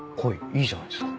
いいじゃないですか。